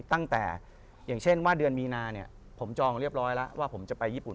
ตั้งแต่อย่างเช่นว่าเดือนมีนาเนี่ยผมจองเรียบร้อยแล้วว่าผมจะไปญี่ปุ่น